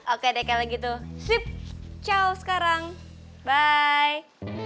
oke deh kalau gitu sip ciao sekarang bye